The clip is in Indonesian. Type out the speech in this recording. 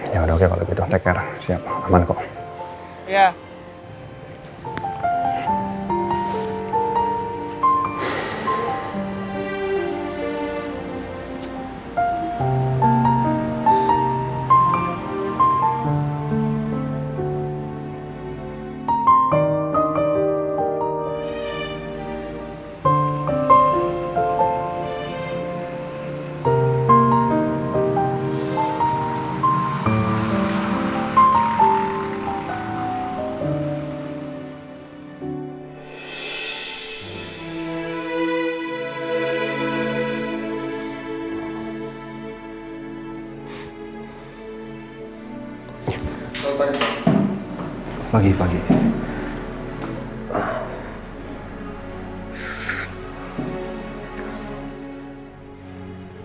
ya udah oke kalau gitu take care siap aman kok